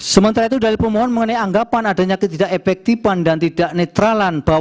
sementara itu dari pemohon mengenai anggapan adanya ketidak efektifan dan tidak netralan